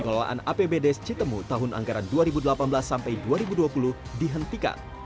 keolahan apbd s citemu tahun anggaran dua ribu delapan belas dua ribu dua puluh dihentikan